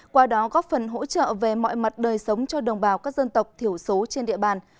qua đó góp phần hỗ trợ về mọi mặt đời sống cho đồng bào các dân tộc thiểu số trên địa bàn